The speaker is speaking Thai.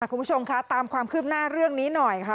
คุณผู้ชมคะตามความคืบหน้าเรื่องนี้หน่อยค่ะ